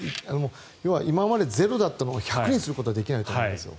要は今までゼロだったものを１００にすることはできないと思うんですよ。